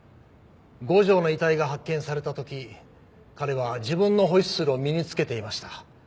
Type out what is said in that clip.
五条の遺体が発見された時彼は自分のホイッスルを身につけていました。